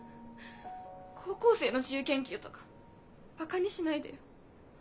高校生の自由研究とかバカにしないでよ。